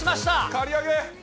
刈り上げ。